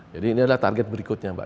jadi ini adalah target berikutnya mbak